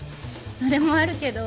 それもあるけど。